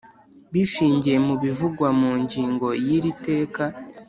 bishingiye mu bivugwa mu ngingo y iri teka